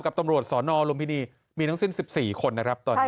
ตำรวจสนลุมพินีมีทั้งสิ้น๑๔คนนะครับตอนนี้